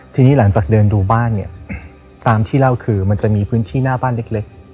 ทีนี้หลังจากเดินดูบ้านเนี่ยตามที่เล่าคือมันจะมีพื้นที่หน้าบ้านเล็ก